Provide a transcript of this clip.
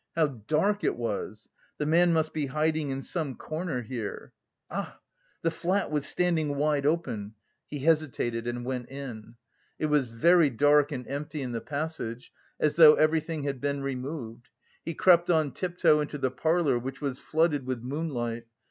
How dark it was! The man must be hiding in some corner here. Ah! the flat was standing wide open, he hesitated and went in. It was very dark and empty in the passage, as though everything had been removed; he crept on tiptoe into the parlour which was flooded with moonlight.